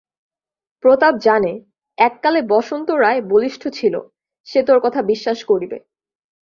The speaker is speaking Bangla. প্রতাপ জানে, এক কালে বসন্ত রায় বলিষ্ঠ ছিল, সে তাের কথা বিশ্বাস করিবে।